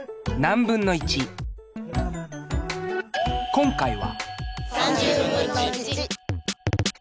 今回は。